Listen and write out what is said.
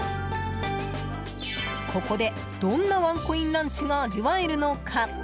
ここで、どんなワンコインランチが味わえるのか。